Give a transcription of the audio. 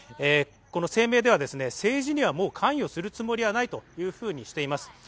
声明では政治にはもう関与するつもりはないというふうにしています。